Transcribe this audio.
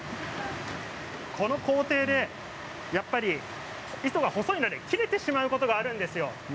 この工程でやっぱり糸は細いので切れてしまうことがあるそうです。